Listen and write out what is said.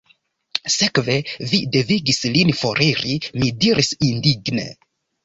Sekve, vi devigis lin foriri, mi diris indigne.